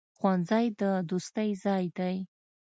ښوونځی د دوستۍ ځای دی.